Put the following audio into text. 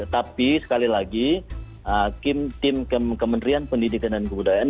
tapi sekali lagi tim kementerian pendidikan dan kebudayaan